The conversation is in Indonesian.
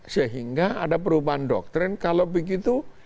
sehingga ada perubahan doktrin kalau begitu